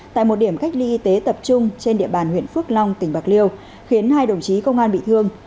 tại một điểm cách ly y tế tập trung trên địa bàn huyện phước long tỉnh bạc liêu khiến hai đồng chí công an bị thương